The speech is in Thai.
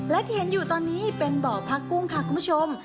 และที่เห็นอยู่ตอนนี้เป็นบ่อพักกุ้งค่ะคุณผู้ชม